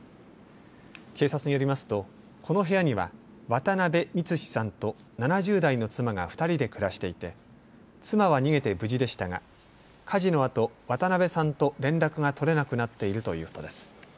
警察によりますとこの部屋には渡邊三士さんと７０代の妻が２人で暮らしていて妻は逃げて無事でしたが火事のあと渡邊さんと連絡が取れなくなっているということです。